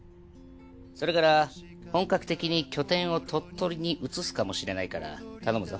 それから本格的に拠点を鳥取に移すかもしれないから頼むぞ。